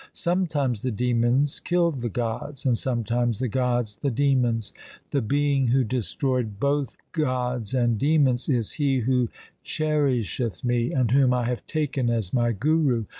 Sometimes the demons killed the gods, and sometimes the gods the demons. The Being who destroyed both gods and demons is He who cherisheth me, and whom I have taken as my Guru.